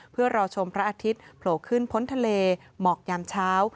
เพื่อรอชมพระอาทิตย์โผล่ขึ้นพ้นทะเลหมอกยามเช้า